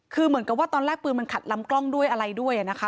คือเหมือนกับว่าตอนแรกปืนมันขัดลำกล้องด้วยอะไรด้วยนะคะ